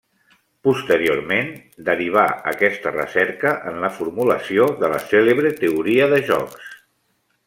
Posteriorment, derivà aquesta recerca en la formulació de la cèlebre teoria de jocs.